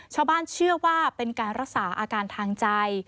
ชาวบ้านเชื่อว่าเป็นการรักษาอาการทางใจ